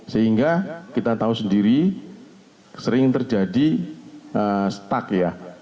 sehingga kita tahu sendiri sering terjadi stuck ya